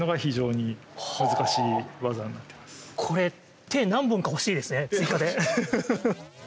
これ手、何本か欲しいですね、追加で。